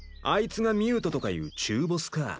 あいつがミュートとかいう中ボスか。